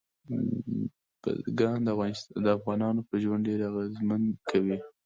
بزګان د افغانانو پر ژوند ډېر اغېزمن کوي.